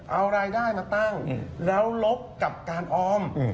เอารายได้มาตั้งแล้วลบกับการออม